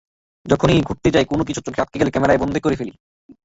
যেখানেই ঘুরতে যাই, কোনো কিছু চোখে আটকে গেলে ক্যামেরায় বন্দী করে রাখি।